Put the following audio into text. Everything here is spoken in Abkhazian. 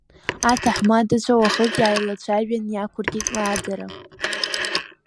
Аҭаҳмадацәа уахык иааилацәажәан иақәыркит лааӡара.